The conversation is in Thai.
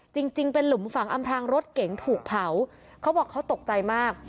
จริงจริงเป็นหลุมฝังอำพลางรถเก๋งถูกเผาเขาบอกเขาตกใจมาก